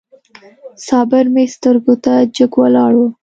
صابر مې سترګو ته جګ ولاړ و.